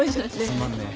つまんねえ。